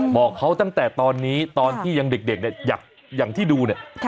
บอกเขาตั้งแต่ตอนนี้ตอนที่ยังเด็กเนี่ยอย่างที่ดูเนี่ย